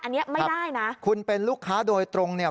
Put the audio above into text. อันนี้ไม่ได้นะคุณเป็นลูกค้าโดยตรงเนี่ย